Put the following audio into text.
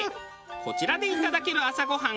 こちらでいただける朝ごはんが。